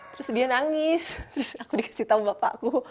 terus dia nangis terus aku dikasih tahu bapakku